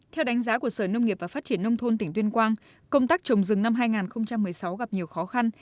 theo đánh giá của sở nông nghiệp và phát triển nông thôn tỉnh tuyên quang công tác trồng rừng năm hai nghìn một mươi sáu gặp nhiều khó khăn